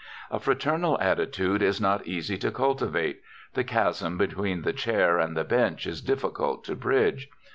A fraternal attitude is not easy to cultivate the chasm between the chair and the bench is difficult to bridge.